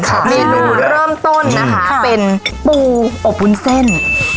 เริ่มต้นนะคะเป็นปูอบบูนเส้น